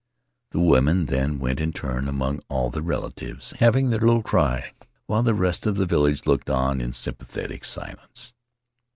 The women then went in turn among all their relatives, having their little cry while the rest of the villlage looked on in sympathetic silence.